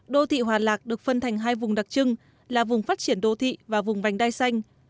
đô thị hòa lạc được phân thành hai vùng đặc trưng là vùng phát triển đô thị và vùng vành đai xanh